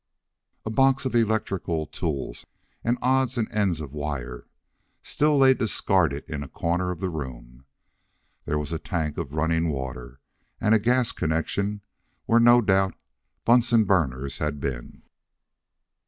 A box of electrical tools and odds and ends of wire still lay discarded in a corner of the room. There was a tank of running water, and gas connections, where no doubt bunsen burners had been.